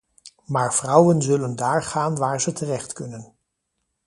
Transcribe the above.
Maar vrouwen zullen daar gaan waar ze terechtkunnen.